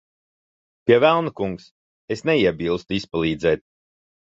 Pie velna, kungs. Es neiebilstu izpalīdzēt.